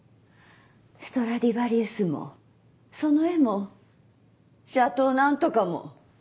ストラディバリウスもその絵もシャトー何とかも。